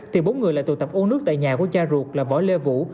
thì bốn người lại tụ tập ô nước tại nhà của cha ruột là võ lê vũ